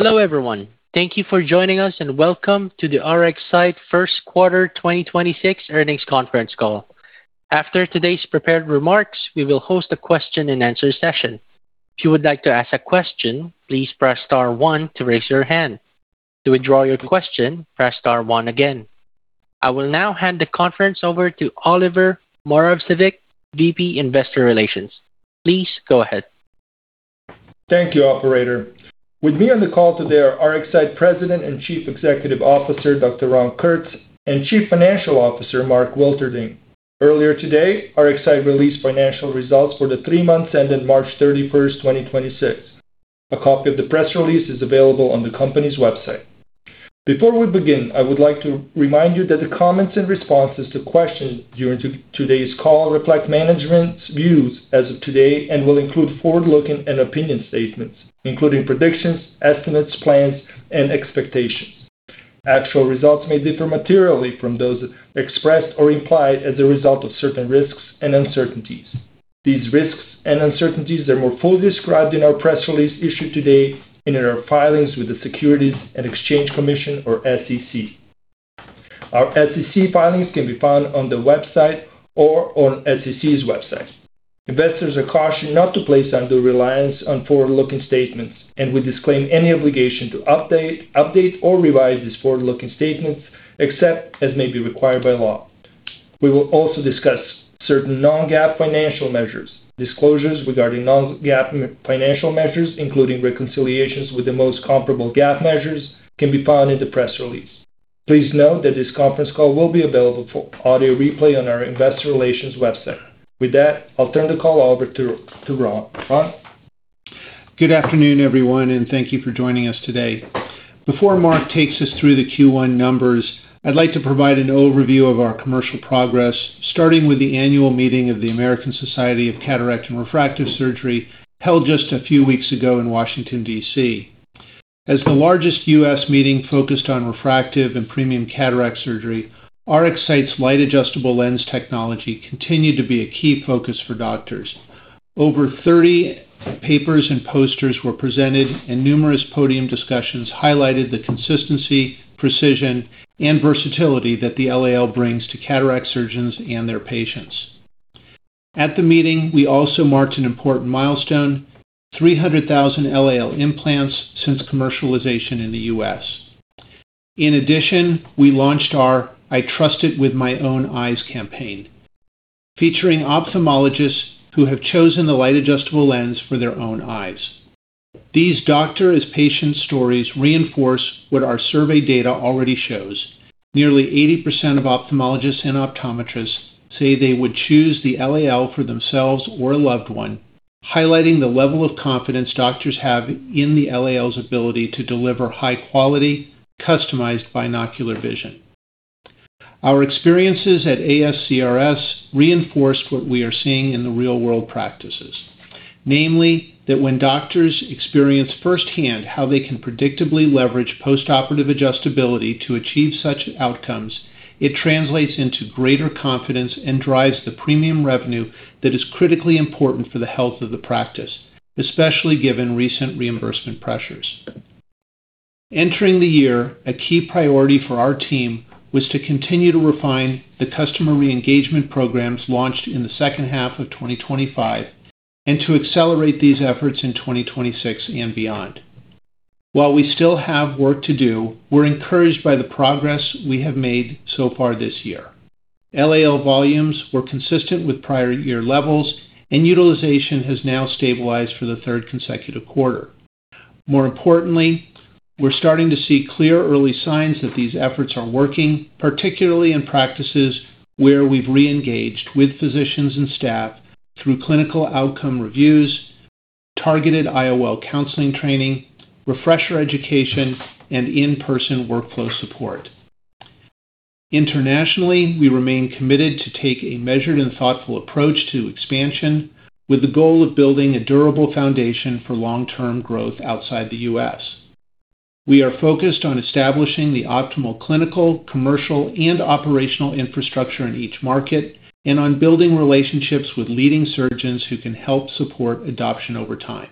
Hello, everyone. Thank you for joining us. Welcome to the RxSight first quarter 2026 earnings conference call. After today's prepared remarks, we will host a question-and-answer session. If you would like to ask a question, please press star one to raise your hand. To withdraw your question, press star one again. I will now hand the conference over to Oliver Moravcevic, VP Investor Relations. Please go ahead. Thank you, operator. With me on the call today are RxSight President and Chief Executive Officer, Dr. Ron Kurtz, and Chief Financial Officer, Mark Wilterding. Earlier today, RxSight released financial results for the three months ended March 31st, 2026. A copy of the press release is available on the company's website. Before we begin, I would like to remind you that the comments and responses to questions during today's call reflect management's views as of today and will include forward-looking and opinion statements, including predictions, estimates, plans, and expectations. Actual results may differ materially from those expressed or implied as a result of certain risks and uncertainties. These risks and uncertainties are more fully described in our press release issued today and in our filings with the Securities and Exchange Commission or SEC. Our SEC filings can be found on the website or on SEC's website. Investors are cautioned not to place undue reliance on forward-looking statements, and we disclaim any obligation to update or revise these forward-looking statements except as may be required by law. We will also discuss certain non-GAAP financial measures. Disclosures regarding non-GAAP financial measures, including reconciliations with the most comparable GAAP measures, can be found in the press release. Please note that this conference call will be available for audio replay on our investor relations website. With that, I'll turn the call over to Ron. Ron? Good afternoon, everyone, and thank you for joining us today. Before Mark takes us through the Q1 numbers, I'd like to provide an overview of our commercial progress, starting with the annual meeting of the American Society of Cataract and Refractive Surgery, held just a few weeks ago in Washington, D.C. As the largest U.S. meeting focused on refractive and premium cataract surgery, RxSight's Light Adjustable Lens technology continued to be a key focus for doctors. Over 30 papers and posters were presented and numerous podium discussions highlighted the consistency, precision, and versatility that the LAL brings to cataract surgeons and their patients. At the meeting, we also marked an important milestone, 300,000 LAL implants since commercialization in the U.S. In addition, we launched our I Trust It With My Own Eyes campaign, featuring ophthalmologists who have chosen the Light Adjustable Lens for their own eyes. These doctor-as-patient stories reinforce what our survey data already shows. Nearly 80% of ophthalmologists and optometrists say they would choose the LAL for themselves or a loved one, highlighting the level of confidence doctors have in the LAL's ability to deliver high-quality, customized binocular vision. Our experiences at ASCRS reinforce what we are seeing in the real-world practices. Namely, that when doctors experience firsthand how they can predictably leverage postoperative adjustability to achieve such outcomes, it translates into greater confidence and drives the premium revenue that is critically important for the health of the practice, especially given recent reimbursement pressures. Entering the year, a key priority for our team was to continue to refine the customer re-engagement programs launched in the second half of 2025 and to accelerate these efforts in 2026 and beyond. While we still have work to do, we're encouraged by the progress we have made so far this year. LAL volumes were consistent with prior year levels, and utilization has now stabilized for the third consecutive quarter. More importantly, we're starting to see clear early signs that these efforts are working, particularly in practices where we've re-engaged with physicians and staff through clinical outcome reviews, targeted IOL counseling training, refresher education, and in-person workflow support. Internationally, we remain committed to take a measured and thoughtful approach to expansion with the goal of building a durable foundation for long-term growth outside the U.S. We are focused on establishing the optimal clinical, commercial, and operational infrastructure in each market and on building relationships with leading surgeons who can help support adoption over time.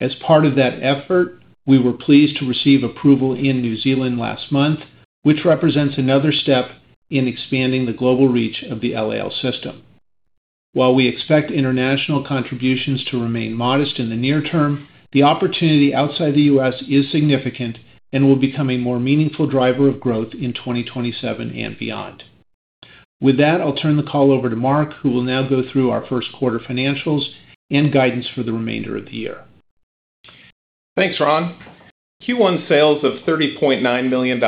As part of that effort, we were pleased to receive approval in New Zealand last month, which represents another step in expanding the global reach of the LAL system. While we expect international contributions to remain modest in the near term, the opportunity outside the U.S. is significant and will become a more meaningful driver of growth in 2027 and beyond. With that, I'll turn the call over to Mark, who will now go through our first quarter financials and guidance for the remainder of the year. Thanks, Ron. Q1 sales of $30.9 million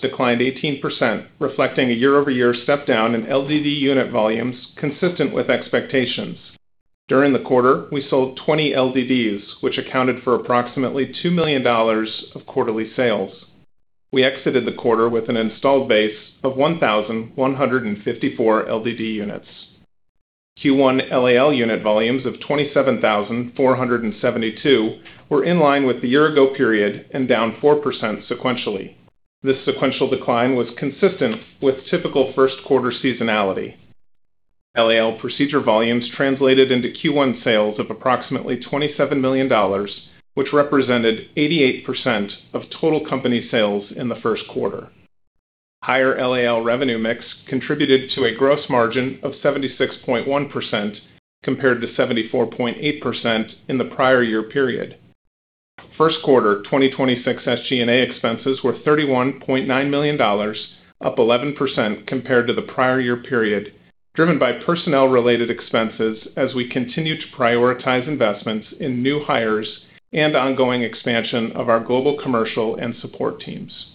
declined 18%, reflecting a year-over-year step down in LDD unit volumes consistent with expectations. During the quarter, we sold 20 LDDs, which accounted for approximately $2 million of quarterly sales. We exited the quarter with an installed base of 1,154 LDD units. Q1 LAL unit volumes of 27,472 were in line with the year-ago period and down 4% sequentially. This sequential decline was consistent with typical first quarter seasonality. LAL procedure volumes translated into Q1 sales of approximately $27 million, which represented 88% of total company sales in the first quarter. Higher LAL revenue mix contributed to a gross margin of 76.1% compared to 74.8% in the prior year period. First quarter 2026 SG&A expenses were $31.9 million, up 11% compared to the prior year period, driven by personnel-related expenses as we continue to prioritize investments in new hires and ongoing expansion of our global commercial and support teams.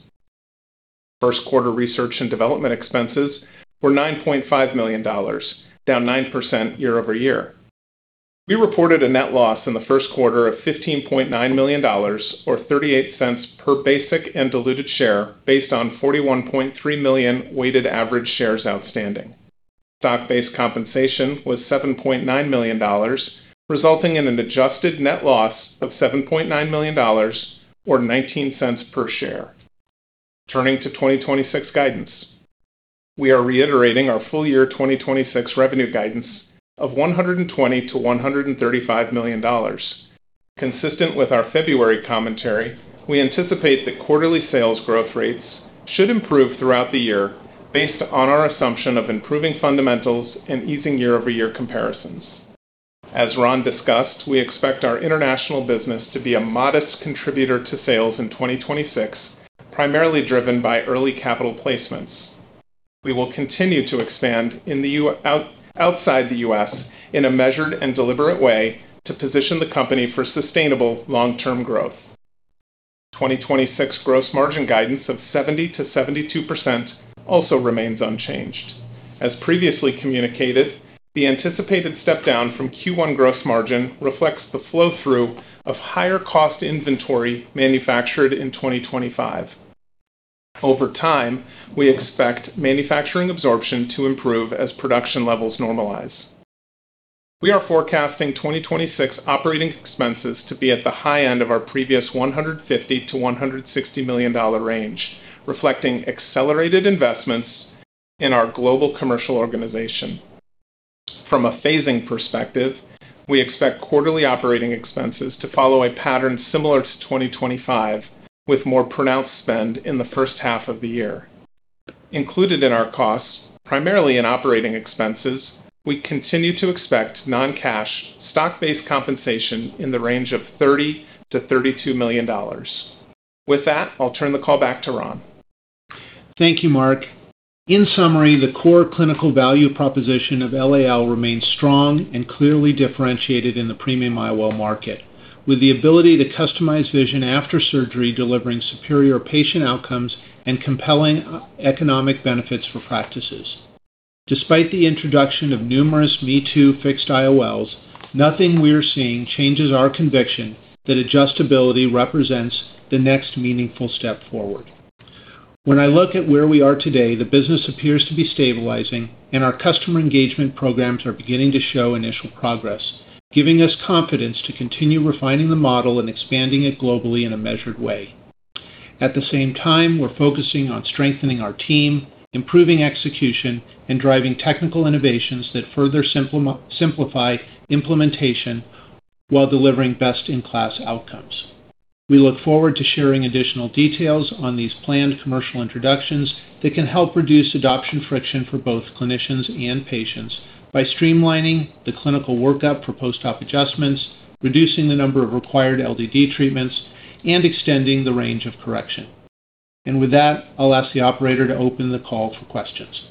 First quarter research and development expenses were $9.5 million, down 9% year-over-year. We reported a net loss in the first quarter of $15.9 million, or $0.38 per basic and diluted share, based on 41.3 million weighted average shares outstanding. Stock-based compensation was $7.9 million, resulting in an adjusted net loss of $7.9 million, or $0.19 per share. Turning to 2026 guidance. We are reiterating our full-year 2026 revenue guidance of $120 million-$135 million. Consistent with our February commentary, we anticipate that quarterly sales growth rates should improve throughout the year based on our assumption of improving fundamentals and easing year-over-year comparisons. As Ron discussed, we expect our international business to be a modest contributor to sales in 2026, primarily driven by early capital placements. We will continue to expand outside the U.S. in a measured and deliberate way to position the company for sustainable long-term growth. 2026 gross margin guidance of 70%-72% also remains unchanged. As previously communicated, the anticipated step down from Q1 gross margin reflects the flow-through of higher cost inventory manufactured in 2025. Over time, we expect manufacturing absorption to improve as production levels normalize. We are forecasting 2026 operating expenses to be at the high end of our previous $150 million-$160 million range, reflecting accelerated investments in our global commercial organization. From a phasing perspective, we expect quarterly operating expenses to follow a pattern similar to 2025, with more pronounced spend in the first half of the year. Included in our costs, primarily in operating expenses, we continue to expect non-cash stock-based compensation in the range of $30 million-$32 million. With that, I'll turn the call back to Ron. Thank you, Mark. In summary, the core clinical value proposition of LAL remains strong and clearly differentiated in the premium IOL market, with the ability to customize vision after surgery, delivering superior patient outcomes and compelling economic benefits for practices. Despite the introduction of numerous me-too fixed IOLs, nothing we are seeing changes our conviction that adjustability represents the next meaningful step forward. When I look at where we are today, the business appears to be stabilizing and our customer engagement programs are beginning to show initial progress, giving us confidence to continue refining the model and expanding it globally in a measured way. At the same time, we're focusing on strengthening our team, improving execution, and driving technical innovations that further simplify implementation while delivering best-in-class outcomes. We look forward to sharing additional details on these planned commercial introductions that can help reduce adoption friction for both clinicians and patients by streamlining the clinical workup for post-op adjustments, reducing the number of required LDD treatments, and extending the range of correction. With that, I'll ask the operator to open the call for questions.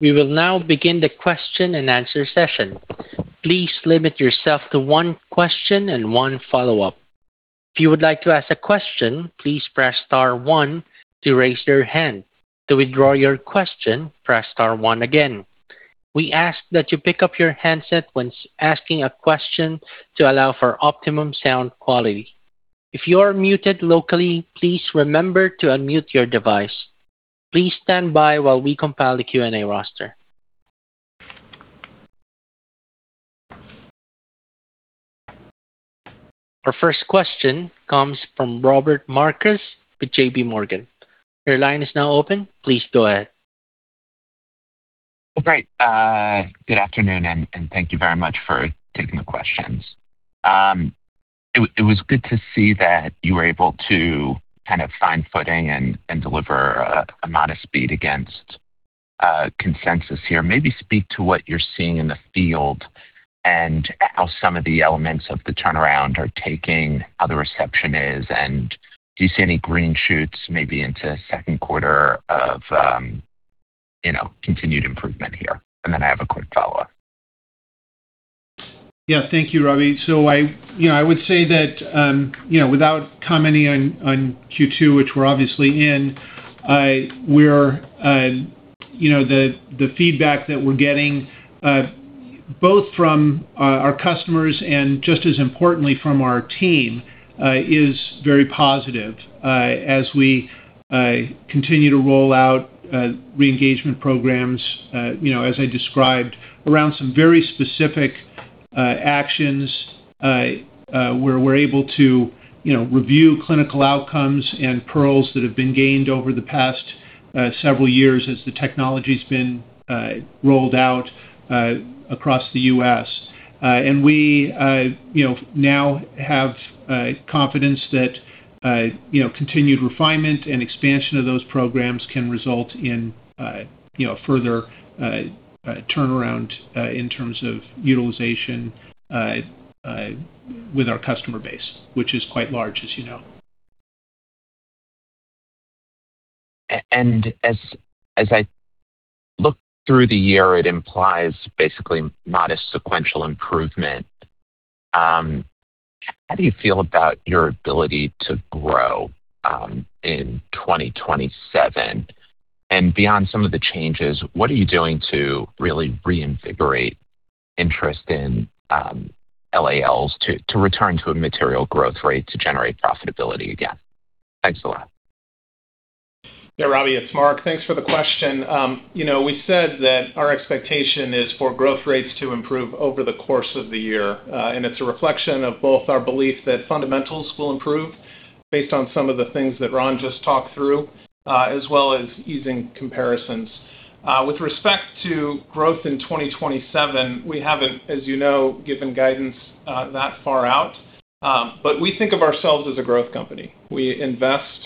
We will now begin the question and answer session. Please limit yourself to one question and one follow-up. If you would like to ask a question, please press star one to raise your hand. To withdraw your question, press star one again. We ask that you pick up your handset when asking a question to allow for optimum sound quality. If you're muted locally, please remember to unmute your device. Please stand by while we compile the Q&A roster. Our first question comes from Robert Marcus with JPMorgan. Your line is now open. Please go ahead. Great. Good afternoon, and thank you very much for taking the questions. It was good to see that you were able to kind of find footing and deliver a modest beat against consensus here. Maybe speak to what you're seeing in the field and how some of the elements of the turnaround are taking, how the reception is, and do you see any green shoots maybe into second quarter of, you know, continued improvement here? Then I have a quick follow-up. Yeah. Thank you, Robbie. I, you know, I would say that, you know, without commenting on Q2, which we're obviously in, we're, you know, the feedback that we're getting, both from our customers and just as importantly from our team, is very positive, as we continue to roll out re-engagement programs, you know, as I described around some very specific actions, we're able to, you know, review clinical outcomes and pearls that have been gained over the past several years as the technology's been rolled out across the U.S. We, you know, now have confidence that, you know, continued refinement and expansion of those programs can result in, you know, further turnaround in terms of utilization with our customer base, which is quite large, as you know. As I look through the year, it implies basically modest sequential improvement. How do you feel about your ability to grow in 2027? Beyond some of the changes, what are you doing to really reinvigorate interest in LALs to return to a material growth rate to generate profitability again? Thanks a lot. Yeah, Robbie, it's Mark. Thanks for the question. You know, we said that our expectation is for growth rates to improve over the course of the year. It's a reflection of both our belief that fundamentals will improve based on some of the things that Ron just talked through, as well as easing comparisons. With respect to growth in 2027, we haven't, as you know, given guidance, that far out. We think of ourselves as a growth company. We invest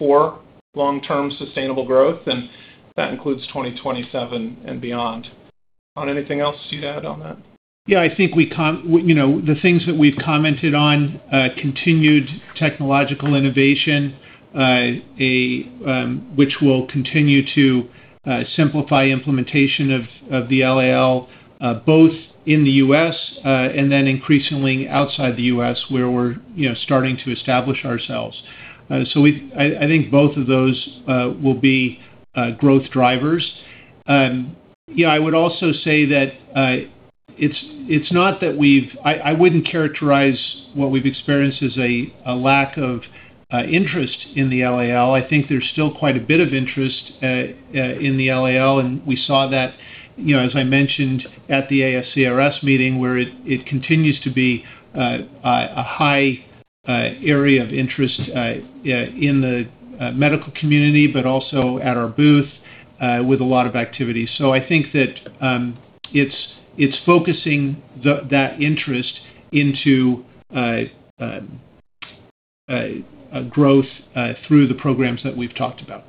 for long-term sustainable growth, and that includes 2027 and beyond. Ron, anything else to add on that? I think, you know, the things that we've commented on, continued technological innovation, which will continue to simplify implementation of the LAL, both in the U.S., and then increasingly outside the U.S. where we're, you know, starting to establish ourselves. I think both of those will be growth drivers. I would also say that it's not that I wouldn't characterize what we've experienced as a lack of interest in the LAL. I think there's still quite a bit of interest in the LAL, and we saw that, you know, as I mentioned at the ASCRS meeting, where it continues to be a high area of interest in the medical community, but also at our booth with a lot of activity. I think that, it's focusing that interest into a growth through the programs that we've talked about.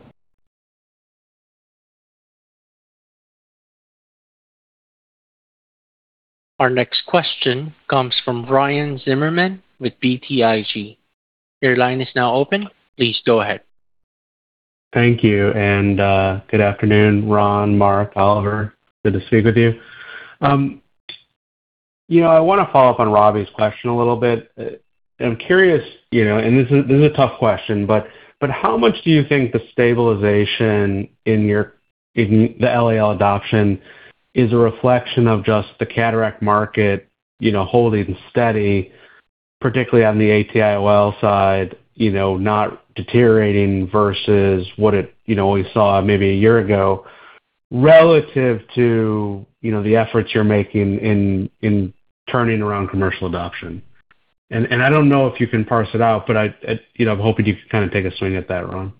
Our next question comes from Ryan Zimmerman with BTIG. Your line is now open. Please go ahead. Thank you. Good afternoon, Ron, Mark, Oliver. Good to speak with you. You know, I wanna follow up on Robbie's question a little bit. I'm curious, you know, this is, this is a tough question, but how much do you think the stabilization in your, in the LAL adoption is a reflection of just the cataract market, you know, holding steady, particularly on the ATIOL side, you know, not deteriorating versus what it, you know, we saw maybe a year ago relative to, you know, the efforts you're making in turning around commercial adoption? I don't know if you can parse it out, but I, you know, I'm hoping you can kinda take a swing at that, Ron.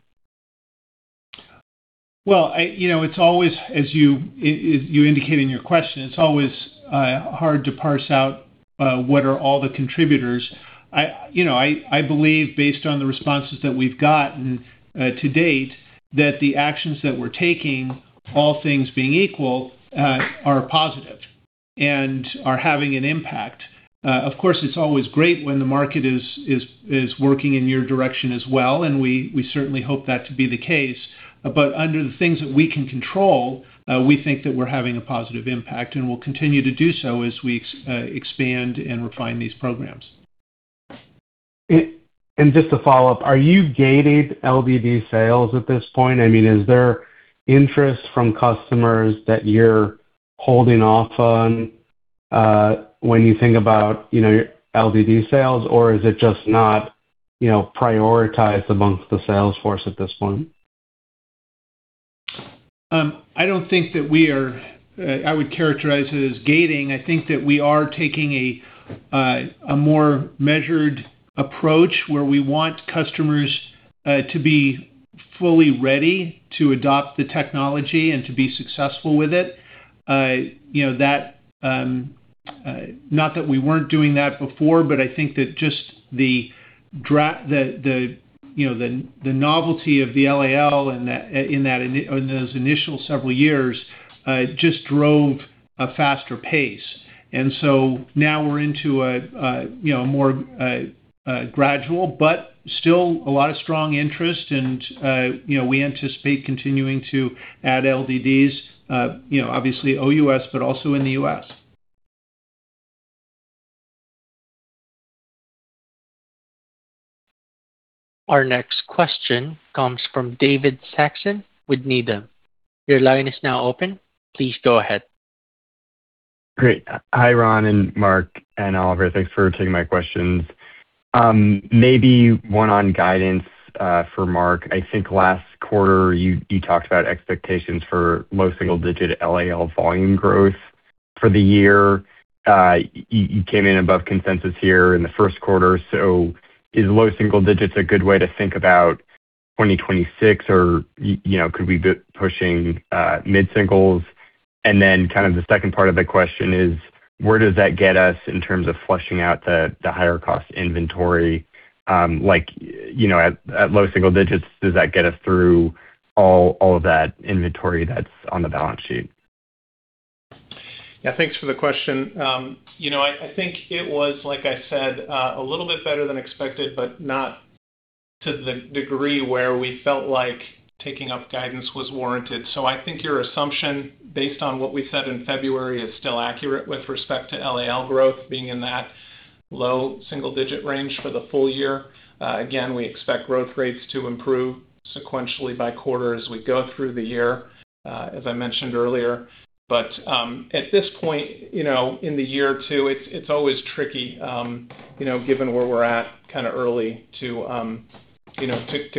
Well, I, you know, it's always, as you, as you indicate in your question, it's always hard to parse out what are all the contributors. I, you know, I believe based on the responses that we've gotten to date, that the actions that we're taking, all things being equal, are positive and are having an impact. Of course, it's always great when the market is working in your direction as well, and we certainly hope that to be the case. Under the things that we can control, we think that we're having a positive impact, and we'll continue to do so as we expand and refine these programs. Just to follow up, are you gating LDD sales at this point? I mean, is there interest from customers that you're holding off on, when you think about, you know, your LDD sales, or is it just not, you know, prioritized amongst the sales force at this point? I don't think that we are, I would characterize it as gating. I think that we are taking a more measured approach where we want customers to be fully ready to adopt the technology and to be successful with it. You know, that, not that we weren't doing that before, but I think that just the novelty of the LAL in those initial several years, just drove a faster pace. Now we're into a, you know, more gradual, but still a lot of strong interest and, you know, we anticipate continuing to add LDDs, you know, obviously OUS, but also in the U.S. Our next question comes from David Saxon with Needham. Your line is now open. Please go ahead. Great. Hi, Ron and Mark and Oliver. Thanks for taking my questions. Maybe one on guidance for Mark. I think last quarter you talked about expectations for low single-digit LAL volume growth for the year. You came in above consensus here in the first quarter. Is low single digits a good way to think about 2026, or you know, could we be pushing mid-singles? Kind of the second part of the question is: Where does that get us in terms of flushing out the higher cost inventory? Like, you know, at low single digits, does that get us through all of that inventory that's on the balance sheet? Yeah. Thanks for the question. You know, I think it was, like I said, a little bit better than expected, but not to the degree where we felt like taking up guidance was warranted. I think your assumption, based on what we said in February, is still accurate with respect to LAL growth being in that low single-digit range for the full year. Again, we expect growth rates to improve sequentially by quarter as we go through the year, as I mentioned earlier. At this point, you know, in the year too, it's always tricky, you know, given where we're at, kinda early to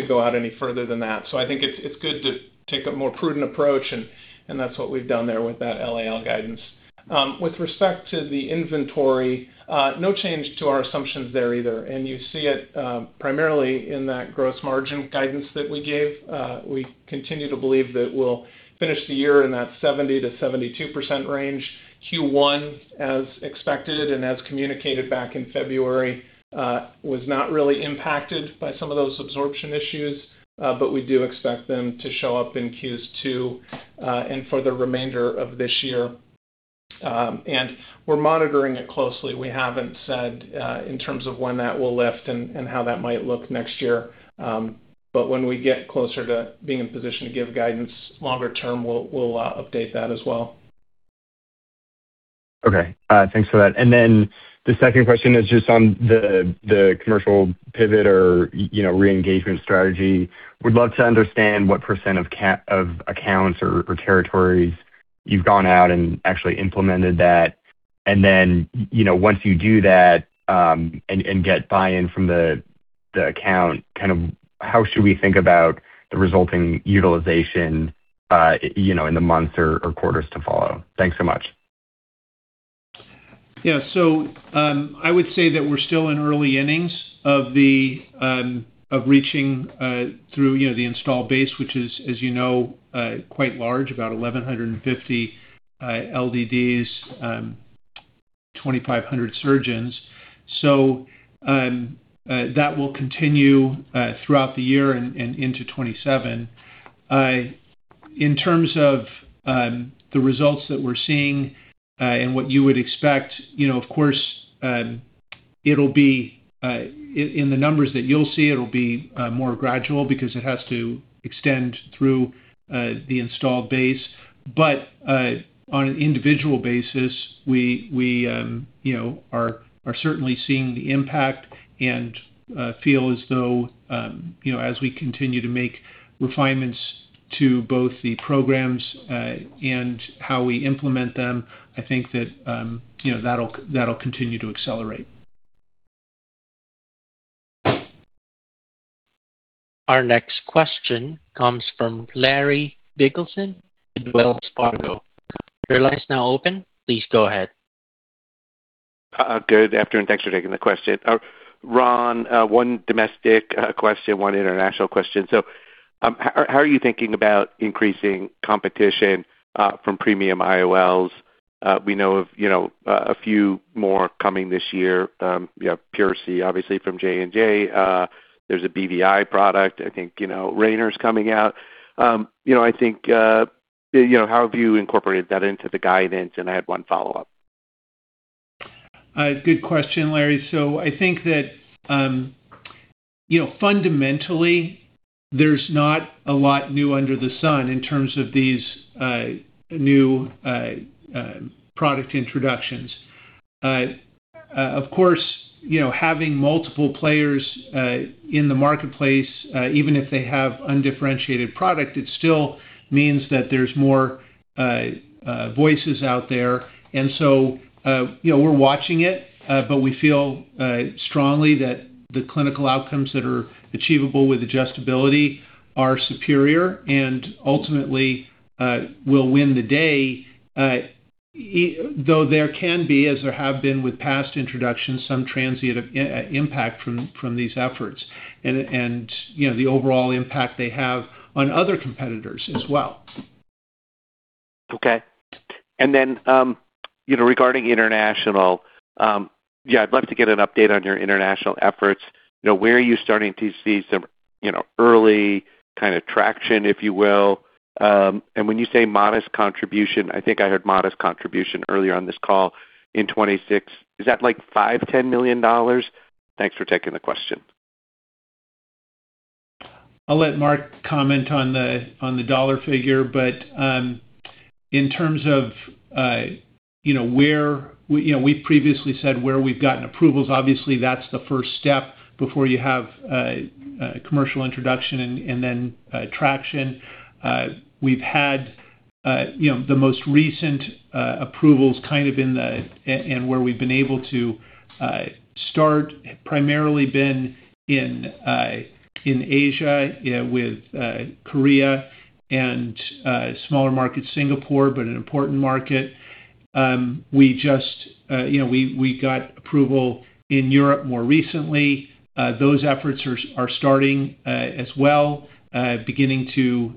go out any further than that. I think it's good to take a more prudent approach, and that's what we've done there with that LAL guidance. With respect to the inventory, no change to our assumptions there either. You see it primarily in that gross margin guidance that we gave. We continue to believe that we'll finish the year in that 70%-72% range. Q1, as expected and as communicated back in February, was not really impacted by some of those absorption issues, but we do expect them to show up in Q2 and for the remainder of this year. We're monitoring it closely. We haven't said in terms of when that will lift and how that might look next year. When we get closer to being in position to give guidance longer term, we'll update that as well. Okay. Thanks for that. The second question is just on the commercial pivot or, you know, re-engagement strategy. Would love to understand what percent of accounts or territories you've gone out and actually implemented that. Once you do that, and get buy-in from the account, kind of how should we think about the resulting utilization, you know, in the months or quarters to follow? Thanks so much. Yeah. I would say that we're still in early innings of reaching, through, you know, the installed base, which is, as you know, quite large, about 1,150 LDDs, 2,500 surgeons. That will continue throughout the year and into 2027. In terms of the results that we're seeing, and what you would expect, you know, of course, it'll be in the numbers that you'll see, it'll be more gradual because it has to extend through the installed base. On an individual basis, we, you know, are certainly seeing the impact and feel as though, you know, as we continue to make refinements to both the programs and how we implement them, I think that, you know, that'll continue to accelerate. Our next question comes from Larry Biegelsen with Wells Fargo. Your line's now open. Please go ahead. Good afternoon. Thanks for taking the question. Ron, one domestic question, one international question. How are you thinking about increasing competition from premium IOLs? We know of, you know, a few more coming this year. You have PureSee, obviously from J&J. There's a BVI product. I think, you know, Rayner's coming out. I think, you know, how have you incorporated that into the guidance? I had one follow-up. Good question, Larry. I think that, you know, fundamentally there's not a lot new under the sun in terms of these new product introductions. Of course, you know, having multiple players in the marketplace, even if they have undifferentiated product, it still means that there's more voices out there. You know, we're watching it, but we feel strongly that the clinical outcomes that are achievable with adjustability are superior and ultimately will win the day. Though there can be, as there have been with past introductions, some transient impact from these efforts and, you know, the overall impact they have on other competitors as well. Okay. Then, you know, regarding international, yeah, I'd love to get an update on your international efforts. Where are you starting to see some, you know, early kind of traction, if you will? When you say modest contribution, I think I heard modest contribution earlier on this call in 2026. Is that like $5 million-$10 million? Thanks for taking the question. I'll let Mark comment on the, on the dollar figure. In terms of, you know, where we've previously said where we've gotten approvals. Obviously, that's the first step before you have commercial introduction and then traction. We've had, you know, the most recent approvals kind of in the and where we've been able to start, have primarily been in Asia, with Korea and smaller markets, Singapore, but an important market. We just, you know, we got approval in Europe more recently. Those efforts are starting as well, beginning to,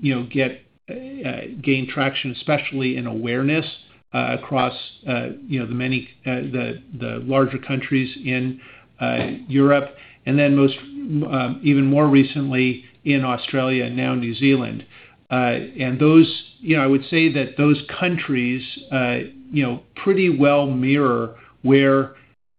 you know, get gain traction, especially in awareness, across, you know, the many, the larger countries in Europe. Most, even more recently in Australia and now New Zealand. Those, you know, I would say that those countries, you know, pretty well mirror where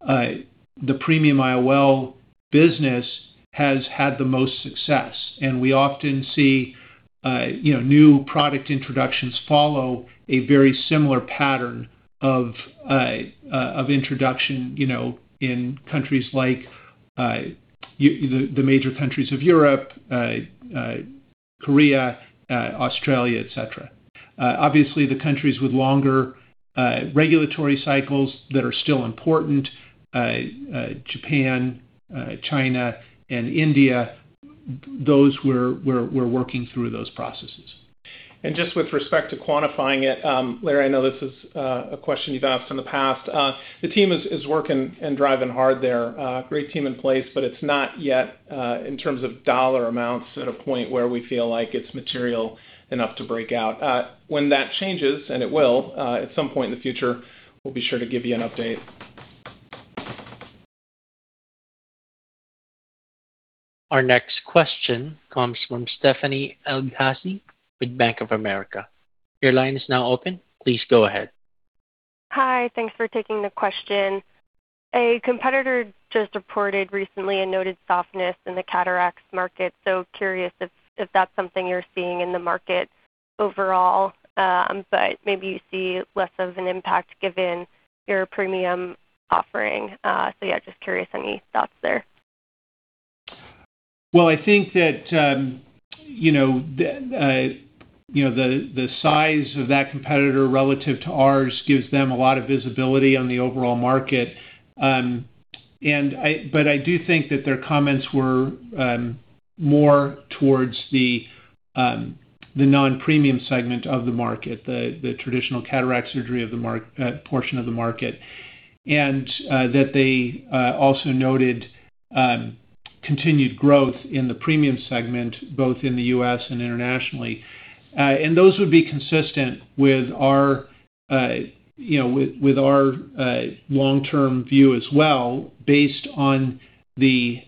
the premium IOL business has had the most success. We often see, you know, new product introductions follow a very similar pattern of introduction, you know, in countries like the major countries of Europe, Korea, Australia, et cetera. Obviously, the countries with longer regulatory cycles that are still important, Japan, China, and India, those we're working through those processes. Just with respect to quantifying it, Larry, I know this is a question you've asked in the past. The team is working and driving hard there. Great team in place, it's not yet in terms of dollar amounts at a point where we feel like it's material enough to break out. That changes, and it will, at some point in the future, we'll be sure to give you an update. Our next question comes from Stephanie Elghazi with Bank of America. Your line is now open. Please go ahead. Hi. Thanks for taking the question. A competitor just reported recently and noted softness in the cataracts market. Curious if that's something you're seeing in the market overall. Maybe you see less of an impact given your premium offering. Just curious any thoughts there? Well, I think that, you know, the, you know, the size of that competitor relative to ours gives them a lot of visibility on the overall market. But I do think that their comments were more towards the non-premium segment of the market, the traditional cataract surgery portion of the market. That they also noted continued growth in the premium segment, both in the U.S. and internationally. Those would be consistent with our, you know, with our long-term view as well based on the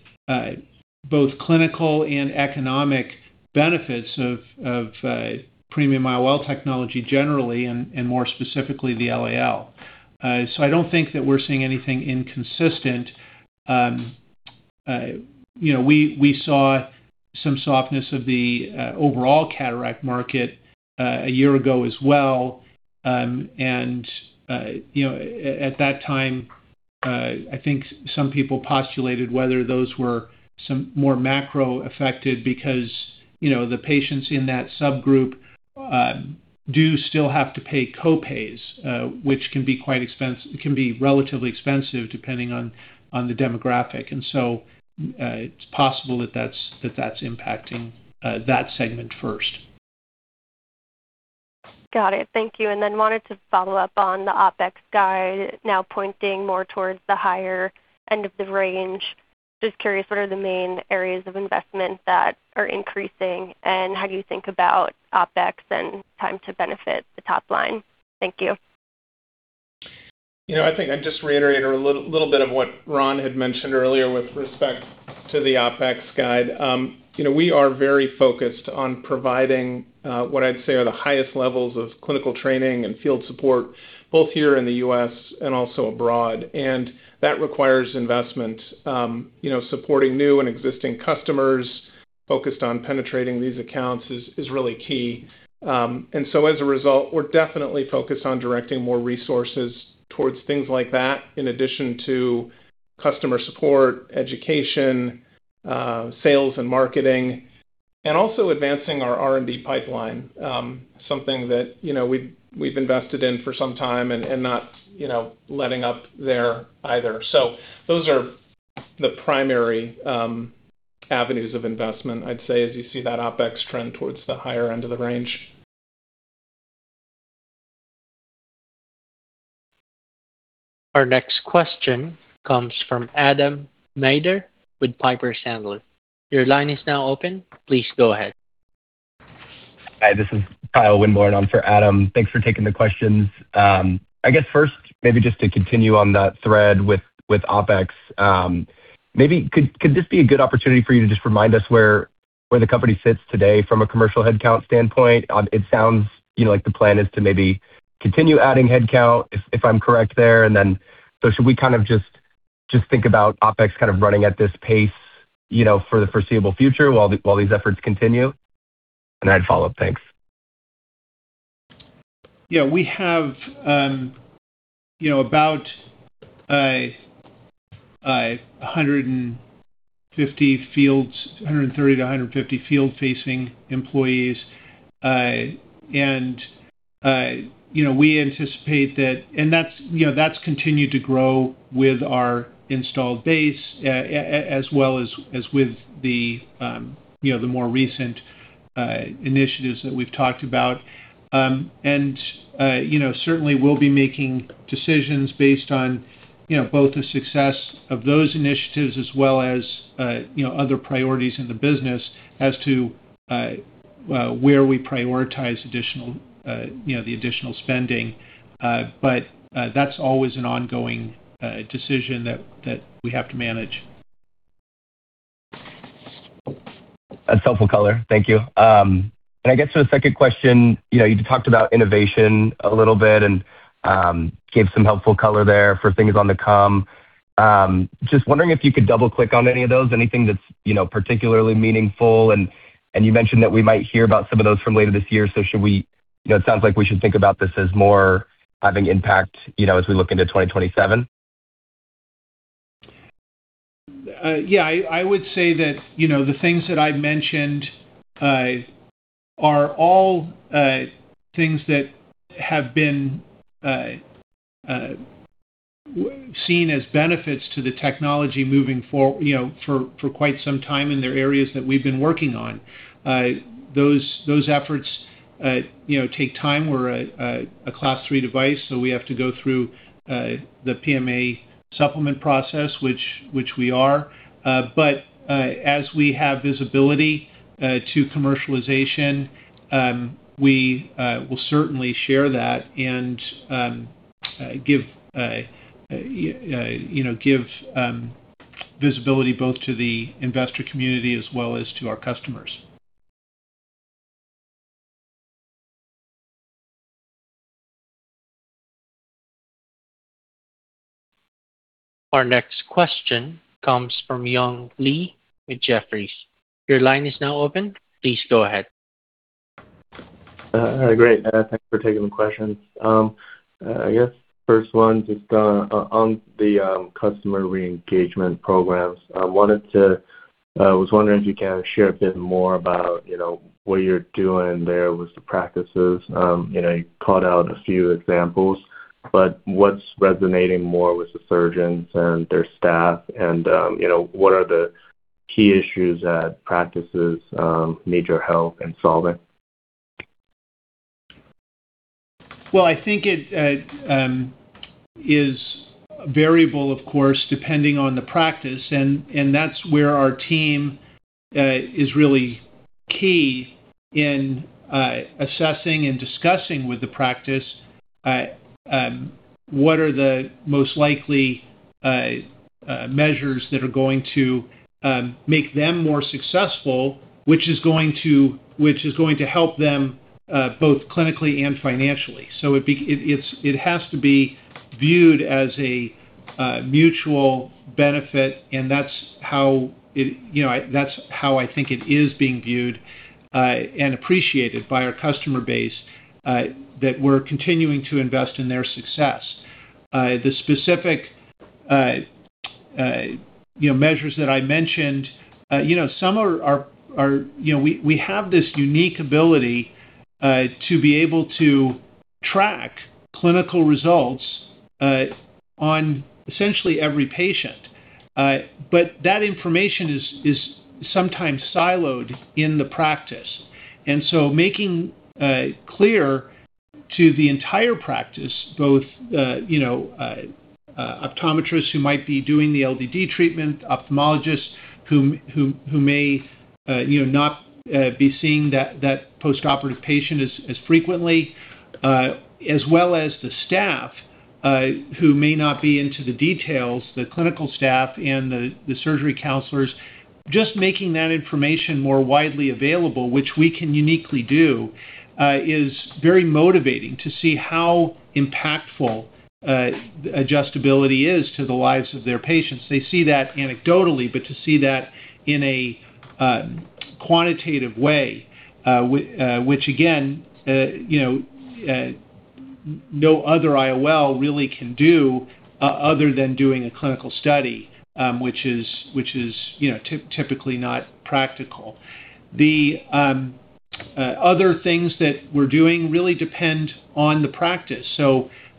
both clinical and economic benefits of premium IOL technology generally and more specifically, the LAL. I don't think that we're seeing anything inconsistent. You know, we saw some softness of the overall cataract market a year ago as well. You know, at that time, I think some people postulated whether those were some more macro affected because, you know, the patients in that subgroup do still have to pay co-pays, which can be relatively expensive depending on the demographic. It's possible that that's impacting that segment first. Got it. Thank you. Then wanted to follow up on the OpEx guide now pointing more towards the higher end of the range. Just curious, what are the main areas of investment that are increasing, and how do you think about OpEx and time to benefit the top line? Thank you. You know, I think I'd just reiterate a little bit of what Ron had mentioned earlier with respect to the OpEx guide. You know, we are very focused on providing what I'd say are the highest levels of clinical training and field support, both here in the U.S. and also abroad. That requires investment. You know, supporting new and existing customers focused on penetrating these accounts is really key. As a result, we're definitely focused on directing more resources towards things like that, in addition to customer support, education, sales and marketing, and also advancing our R&D pipeline. Something that, you know, we've invested in for some time and not, you know, letting up there either. Those are the primary avenues of investment, I'd say, as you see that OpEx trend towards the higher end of the range. Our next question comes from Adam Maeder with Piper Sandler. Your line is now open. Please go ahead. Hi, this is Kyle Winborne. On for Adam. Thanks for taking the questions. I guess first, maybe just to continue on that thread with OpEx, maybe could this be a good opportunity for you to just remind us where the company sits today from a commercial headcount standpoint? It sounds, you know, like the plan is to maybe continue adding headcount if I'm correct there. Should we kind of just think about OpEx kind of running at this pace, you know, for the foreseeable future while these efforts continue? I'd follow up. Thanks. Yeah, we have, you know, about 150 fields, 130-150 field-facing employees. We anticipate that that's, you know, that's continued to grow with our installed base, as well as with the, you know, the more recent initiatives that we've talked about. You know, certainly we'll be making decisions based on, you know, both the success of those initiatives as well as, you know, other priorities in the business as to where we prioritize additional, you know, the additional spending. That's always an ongoing decision that we have to manage. That's helpful color. Thank you. Can I get to the second question? You know, you talked about innovation a little bit and gave some helpful color there for things on the come. Just wondering if you could double-click on any of those, anything that's, you know, particularly meaningful. You mentioned that we might hear about some of those from later this year, should we You know, it sounds like we should think about this as more having impact, you know, as we look into 2027. Yeah. I would say that, you know, the things that I've mentioned are all things that have been seen as benefits to the technology moving for, you know, for quite some time, and they're areas that we've been working on. Those efforts, you know, take time. We're a Class III device, so we have to go through the PMA supplement process, which we are. As we have visibility to commercialization, we will certainly share that and give, you know, visibility both to the investor community as well as to our customers. Our next question comes from Young Li with Jefferies. Your line is now open. Please go ahead. Great. Thanks for taking the questions. I guess first one just on the customer re-engagement programs. I was wondering if you can share a bit more about, you know, what you're doing there with the practices. You know, you called out a few examples, but what's resonating more with the surgeons and their staff and, you know, what are the key issues that practices need your help in solving? Well, I think it is variable of course depending on the practice and that's where our team is really key in assessing and discussing with the practice what are the most likely measures that are going to make them more successful, which is going to help them both clinically and financially. It has to be viewed as a mutual benefit, and that's how it, you know, That's how I think it is being viewed and appreciated by our customer base that we're continuing to invest in their success. The specific, you know, measures that I mentioned, you know, some are You know, we have this unique ability to be able to track clinical results on essentially every patient. That information is sometimes siloed in the practice. Making clear to the entire practice, both, you know, optometrists who might be doing the LDD treatment, ophthalmologists who may, you know, not be seeing that postoperative patient as frequently, as well as the staff who may not be into the details, the clinical staff and the surgery counselors. Just making that information more widely available, which we can uniquely do, is very motivating to see how impactful adjustability is to the lives of their patients. They see that anecdotally, but to see that in a quantitative way, which again, you know, no other IOL really can do, other than doing a clinical study, which is, which is, you know, typically not practical. The other things that we're doing really depend on the practice.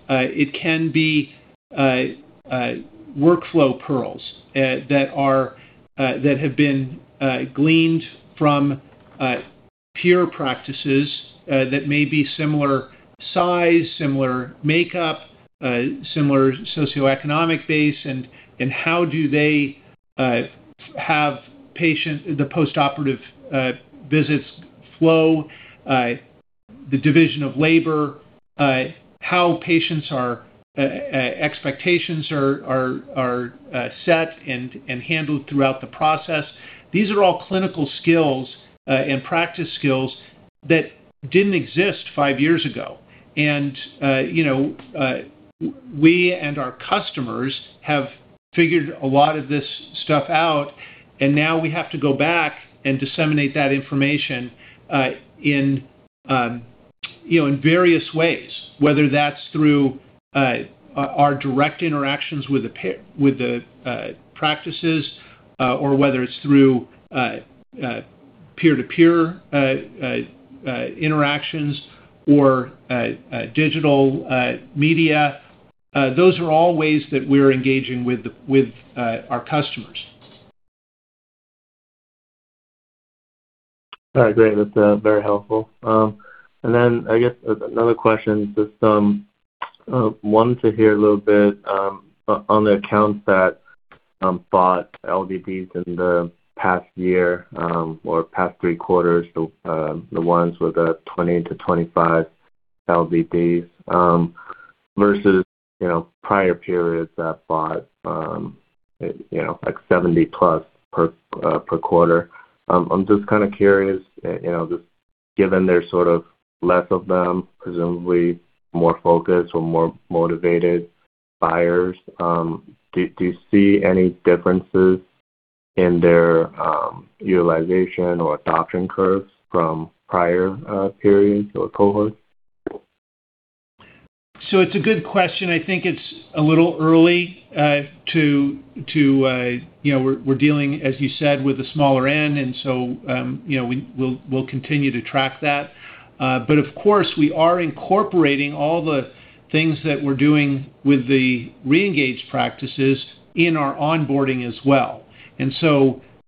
It can be workflow pearls that are that have been gleaned from peer practices that may be similar size, similar makeup, similar socioeconomic base and how do they have the postoperative visits flow, the division of labor, how patients are expectations are set and handled throughout the process. These are all clinical skills and practice skills that didn't exist five years ago. You know, we and our customers have figured a lot of this stuff out. Now we have to go back and disseminate that information, you know, in various ways, whether that's through our direct interactions with the practices, or whether it's through peer-to-peer interactions or digital media. Those are all ways that we're engaging with our customers. All right, great. That's very helpful. I guess another question, just wanted to hear a little bit on the accounts that bought LDDs in the past year or past three quarters. The ones with the 20 to 25 LDDs, versus, you know, prior periods that bought, you know, like 70 plus per quarter. I'm just kind of curious, you know, just given there's sort of less of them, presumably more focused or more motivated buyers, do you see any differences in their utilization or adoption curves from prior periods or cohorts? It's a good question. I think it's a little early to, you know, we're dealing, as you said, with a smaller end, we'll continue to track that. Of course, we are incorporating all the things that we're doing with the re-engaged practices in our onboarding as well.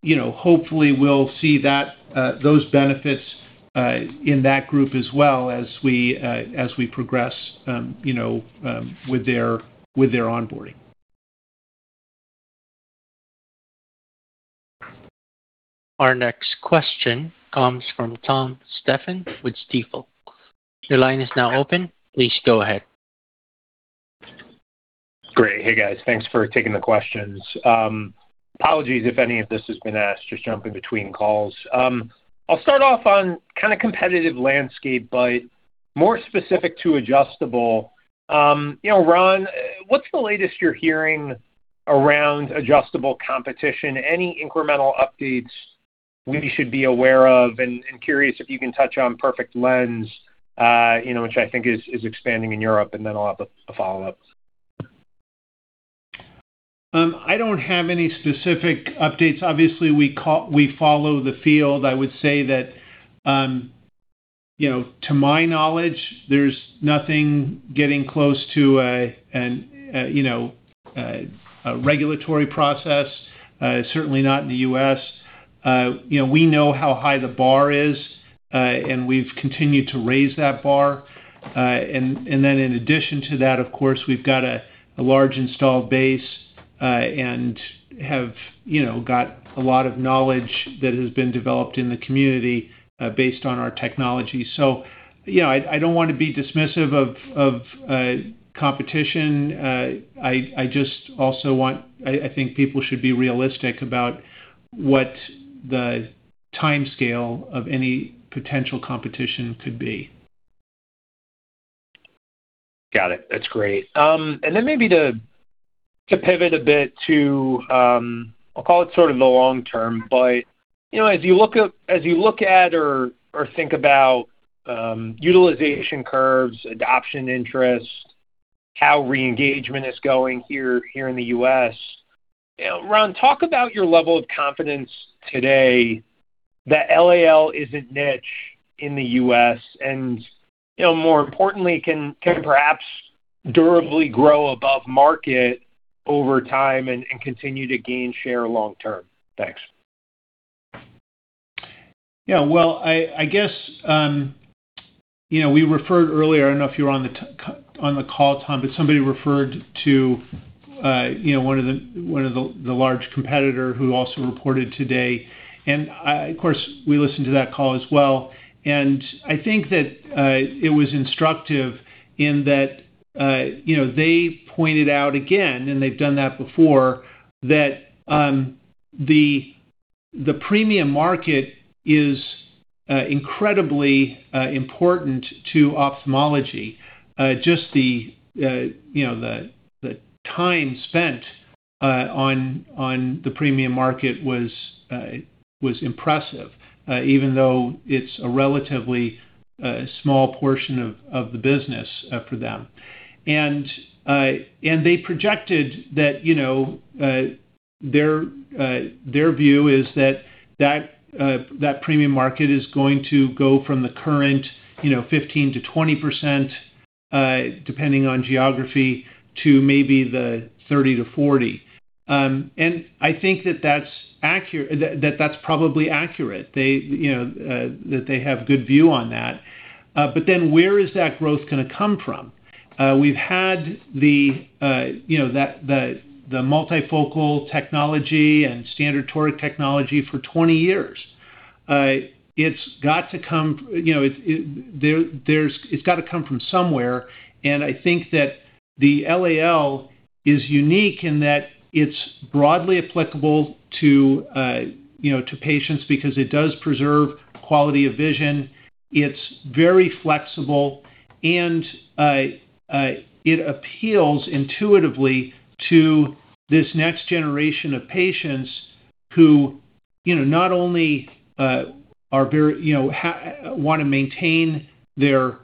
You know, hopefully we'll see that those benefits in that group as well as we as we progress, you know, with their onboarding. Our next question comes from Tom Stephan with Stifel. Your line is now open. Please go ahead. Great. Hey, guys. Thanks for taking the questions. Apologies if any of this has been asked. Just jumping between calls. I'll start off on kinda competitive landscape, but more specific to adjustable. You know, Ron, what's the latest you're hearing around adjustable competition? Any incremental updates we should be aware of? Curious if you can touch on Perfect Lens, you know, which I think is expanding in Europe, and then I'll have a follow-up. I don't have any specific updates. Obviously, we follow the field. I would say that, you know, to my knowledge, there's nothing getting close to a regulatory process, certainly not in the U.S. You know, we know how high the bar is, and we've continued to raise that bar. In addition to that, of course, we've got a large installed base, and have, you know, got a lot of knowledge that has been developed in the community, based on our technology. You know, I don't wanna be dismissive of competition. I just also think people should be realistic about what the timescale of any potential competition could be. Got it. That's great. Then maybe to pivot a bit to, I'll call it sort of the long term, but, you know, as you look at or think about, utilization curves, adoption interest, how re-engagement is going here in the U.S., you know, Ron, talk about your level of confidence today that LAL isn't niche in the U.S., and, you know, more importantly, can perhaps durably grow above market over time and continue to gain share long term. Thanks. Yeah. Well, I guess, you know, we referred earlier, I don't know if you were on the call, Tom, but somebody referred to, you know, one of the, one of the large competitor who also reported today. Of course, we listened to that call as well. I think that it was instructive in that, you know, they pointed out again, and they've done that before, that the premium market is incredibly important to ophthalmology. Just the, you know, the time spent on the premium market was impressive, even though it's a relatively small portion of the business for them. They projected that, you know, their view is that that premium market is going to go from the current, you know, 15%-20%, depending on geography, to maybe the 30%-40%. I think that that's probably accurate. They, you know, that they have good view on that. Where is that growth gonna come from? We've had the, you know, the multifocal technology and standard toric technology for 20 years. It's got to come, you know, It's gotta come from somewhere, and I think that the LAL is unique in that it's broadly applicable to, you know, to patients because it does preserve quality of vision. It's very flexible, and it appeals intuitively to this next generation of patients who, you know, not only are very, you know, want to maintain their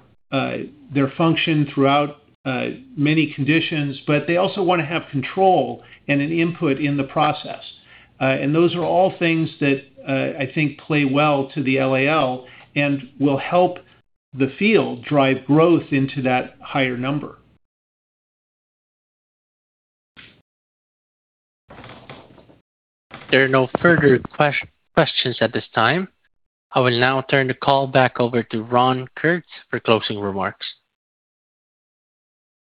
function throughout many conditions, but they also wanna have control and an input in the process. Those are all things that I think play well to the LAL and will help the field drive growth into that higher number. There are no further questions at this time. I will now turn the call back over to Ron Kurtz for closing remarks.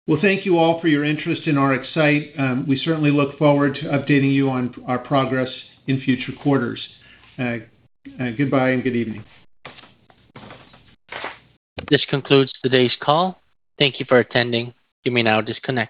Well, thank you all for your interest in RxSight. We certainly look forward to updating you on our progress in future quarters. Goodbye and good evening. This concludes today's call. Thank you for attending. You may now disconnect.